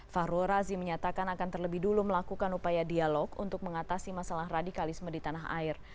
fahrul razi menyatakan akan terlebih dulu melakukan upaya dialog untuk mengatasi masalah radikalisme di tanah air